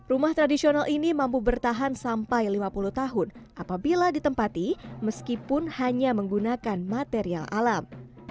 rumah tradisional ini mampu bertahan sampai lima puluh tahun apabila ditempati meskipun hanya menggunakan material alam